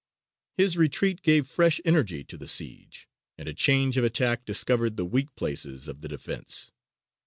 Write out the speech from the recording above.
His retreat gave fresh energy to the siege, and a change of attack discovered the weak places of the defence.